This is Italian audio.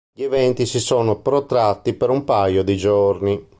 Gli eventi si sono protratti per un paio di giorni.